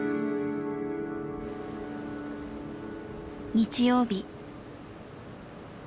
日曜日。